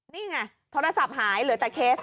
นี่ไงโทรศัพท์หายเหลือแต่เคส